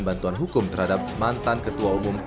bantuan hukum terhadap mantan ketua umum